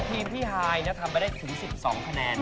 ทีมพี่ฮายทำไปได้ถึง๑๒คะแนน